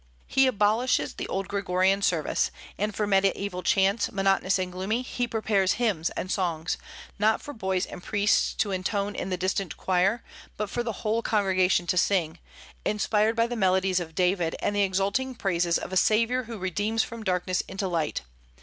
He abolishes the old Gregorian service; and for Mediaeval chants, monotonous and gloomy, he prepares hymns and songs, not for boys and priests to intone in the distant choir, but for the whole congregation to sing, inspired by the melodies of David and the exulting praises of a Saviour who redeems from darkness into light.